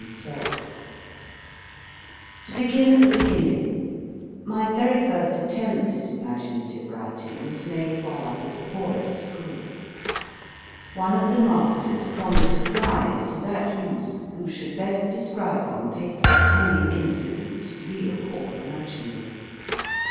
THE FRONT GARDEN 136 MY FIRST BOOK To begin at the beginning : My very first attempt at imaginative writing was made while I was a boy at school. One of the masters promised a prize to that youth who should best describe on paper any incident, real or imaginary.